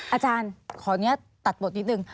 อาจารย์ขอตัดบทนิดนึง